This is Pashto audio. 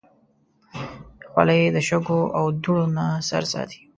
خولۍ د شګو او دوړو نه سر ساتي.